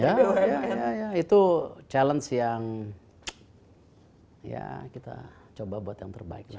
ya itu challenge yang ya kita coba buat yang terbaik